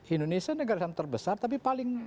indonesia negara terbesar tapi paling